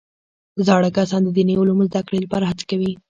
زاړه کسان د دیني علومو زده کړې لپاره هڅې کوي